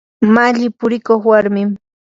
malli purikuq warmim.